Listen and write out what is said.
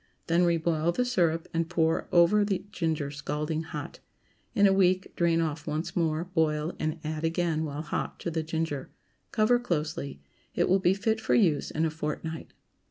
Then reboil the syrup, and pour over the ginger scalding hot. In a week drain off once more, boil, and add again while hot to the ginger; cover closely. It will be fit for use in a fortnight.